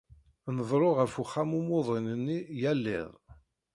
Ndellu ɣer uxxam umuḍin-nni yal iḍ.